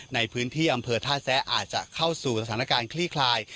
ในพื้นที่อำเภอท่าแซะอาจจะเข้าสู่สถานการณ์คลี่คลาย